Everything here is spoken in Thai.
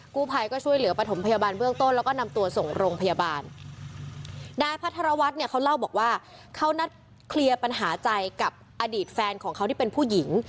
กู้ภัยก็ช่วยเหลือประถมพยาบาลเบื้องต้นแล้วก็นำตัวส่งโรงพยาบาลนายพัทรวัฒน์เนี่ยเขาเล่าบอกว่าเขานัดเคลียร์ปัญหาใจกับอดีตแฟนของเขาที่เป็นผู้หญิง